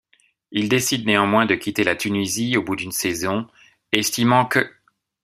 Il décide néanmoins de quitter la Tunisie au bout d'une saison, estimant qu'.